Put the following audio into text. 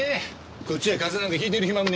こっちは風邪なんかひいてる暇もねえや。